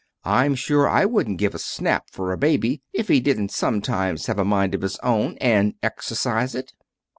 "I'm sure I wouldn't give a snap for a baby if he didn't sometimes have a mind of his own, and exercise it!"